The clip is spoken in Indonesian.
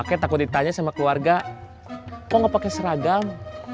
kalau ditanya sama keluarga kok gak pake seragam